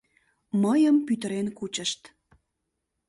Мыйым пӱтырен кучышт.